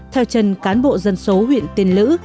theo trần cán bộ dân số huyện tiền lữ